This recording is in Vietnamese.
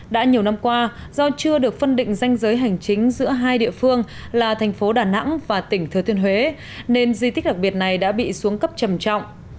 đã nhiều năm qua do chưa được phân định danh giới hành chính giữa hai địa phương là thành phố đà nẵng và tỉnh thừa thiên huế nên di tích đặc biệt này đã bị xuống cấp trầm trọng